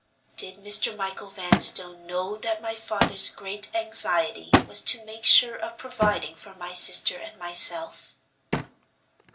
"Did Mr. Michael Vanstone know that my father's great anxiety was to make sure of providing for my sister and myself?"